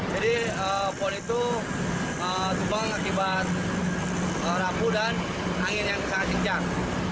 jadi pohon itu tumbang akibat lapu dan angin yang sangat kencang